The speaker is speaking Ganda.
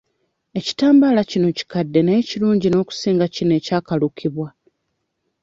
Ekitambaala kino kikadde naye kirungi n'okusinga kino ekyakalukibwa.